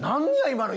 今の。